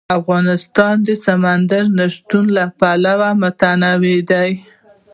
افغانستان د سمندر نه شتون له پلوه متنوع دی.